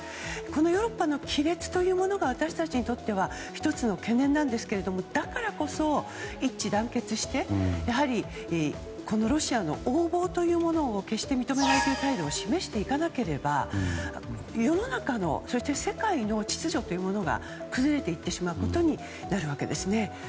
このヨーロッパの亀裂というものが私たちにとっては１つの懸念なんですがだからこそ、一致団結してロシアの横暴というものを決して認めないという態度を示していかなければ世の中のそして世界の秩序というものが崩れていってしまうことになるわけですね。